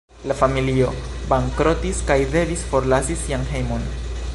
La familio bankrotis kaj devis forlasi sian hejmon.